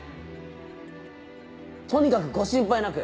とにかくご心配なく！